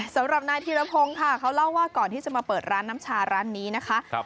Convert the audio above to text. สำหรับนายธีรพงศ์ค่ะเขาเล่าว่าก่อนที่จะมาเปิดร้านน้ำชาร้านนี้นะคะ